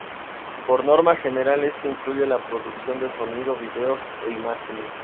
Por norma general, esto incluye la reproducción de sonido, vídeo e imágenes.